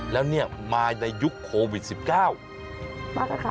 แล้วเนี่ยมาในยุคโควิด๑๙